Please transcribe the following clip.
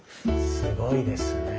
すごいですね。